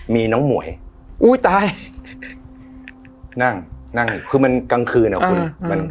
มีน้องหมวยอุ้ยตายนั่งนั่งคือมันกลางคืนอ่ะคุณมัน